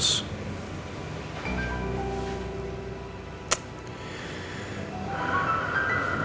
sampai jumpa lagi